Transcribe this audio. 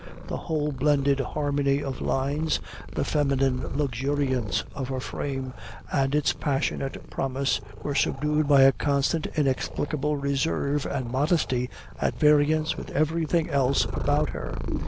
The whole blended harmony of lines, the feminine luxuriance of her frame, and its passionate promise, were subdued by a constant inexplicable reserve and modesty at variance with everything else about her.